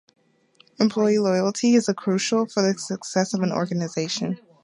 Employee loyalty is crucial for the success of an organization.